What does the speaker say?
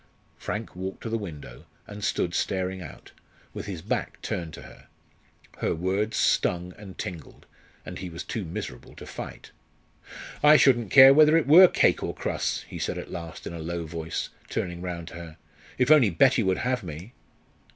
Frank walked to the window, and stood staring out, with his back turned to her. Her words stung and tingled; and he was too miserable to fight. "I shouldn't care whether it were cake or crusts," he said at last, in a low voice, turning round to her, "if only Betty would have me."